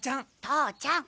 父ちゃん！